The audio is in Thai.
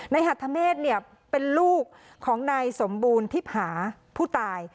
นายหัดธเมฆเนี่ยเป็นลูกของนายสมบูรณ์ทิพย์หาผู้ตาย